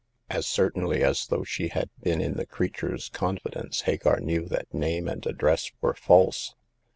As certainly as though she had been in the creature's confidence, Hagar knew that name and address were false.